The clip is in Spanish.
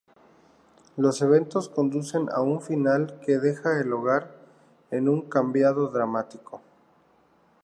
Los eventos conducen a un final que deja el hogar en un cambiado dramático.